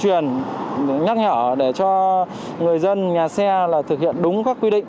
truyền nhắc nhở để cho người dân nhà xe thực hiện đúng các quy định